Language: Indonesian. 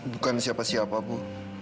bukan siapa siapa bu